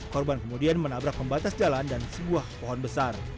korban kemudian menabrak pembatas jalan dan sebuah pohon besar